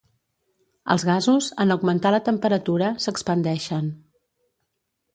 Els gasos, en augmentar la temperatura, s'expandeixen.